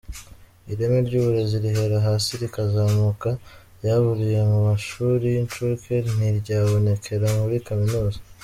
Ireme ry’uburezi rihera hasi rikazamuka, ryaburiye mu mashuri y’incuke ntiryabonekera muri kaminuza.